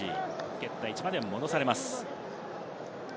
蹴った位置まで戻されます。